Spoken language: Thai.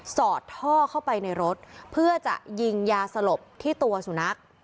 สอดท่อเข้าไปในรถเพื่อจะยิงยาสลบที่ตัวสุนัข